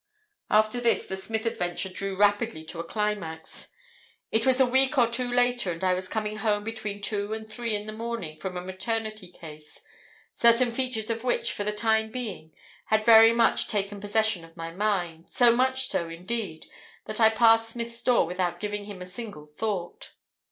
"After this, the Smith adventure drew rapidly to a climax. It was a week or two later, and I was coming home between two and three in the morning from a maternity case, certain features of which for the time being had very much taken possession of my mind, so much so, indeed, that I passed Smith's door without giving him a single thought.